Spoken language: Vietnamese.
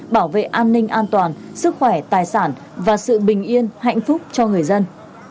bảo vệ an ninh an toàn sức khỏe tài sản và sự bình yên hạnh phúc cho người dân